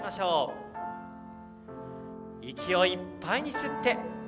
息をいっぱいに吸って。